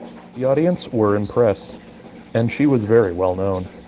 The audience were impressed and she was very well known.